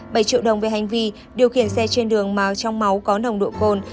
bảy triệu đồng về hành vi điều khiển xe trên đường màu trong máu có nồng độ cồn